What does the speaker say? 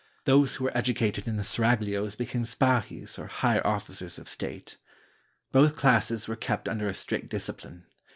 Those who were educated in the seraglios became spahis or higher officers of state. Both classes were kept under a strict discipline.